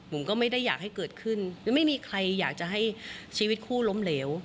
ผมก็ไม่ได้อยากให้เกิดขึ้นและไม่มีใครอยากจะให้ชีวิตคู่ล้มเหลว